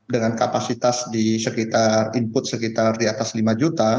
dengan kapasitas di sekitar input sekitar di atas lima juta